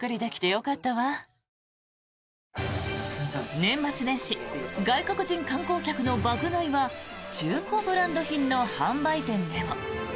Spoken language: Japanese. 年末年始外国人観光客の爆買いは中古ブランド品の販売店でも。